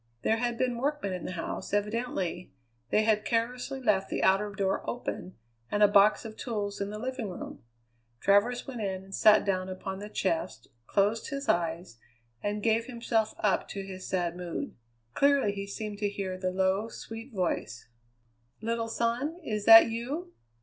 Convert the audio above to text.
There had been workmen in the house, evidently. They had carelessly left the outer door open and a box of tools in the living room. Travers went in and sat down upon the chest, closed his eyes, and gave himself up to his sad mood. Clearly he seemed to hear the low, sweet voice: "Little son, is that you?"